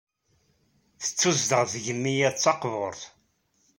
Tettuzdeɣ tgemmi-ad taqburt.